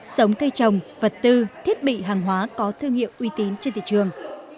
sống cây trồng vật tư thiết bị hàng hóa có thương hiệu uy tín trên thị trường